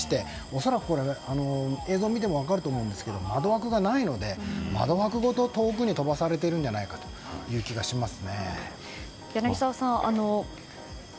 恐らく映像見ても分かるんですが窓枠がないので、窓枠ごと遠くに飛ばされているんじゃないかという気がしますね。